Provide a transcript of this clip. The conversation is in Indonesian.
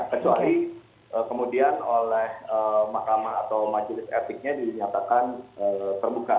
kecuali kemudian oleh mahkamah atau majelis etiknya dinyatakan terbuka